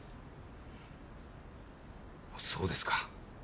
あそうですか。